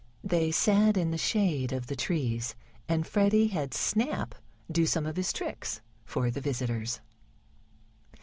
They sat in the shade of the trees, and Freddie had Snap do some of his tricks for the visitors.